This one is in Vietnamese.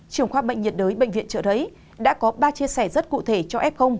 trưởng khoác bệnh nhiệt đới bệnh viện chợ đấy đã có ba chia sẻ rất cụ thể cho f